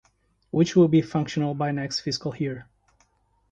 Which will be functional by next fiscal year.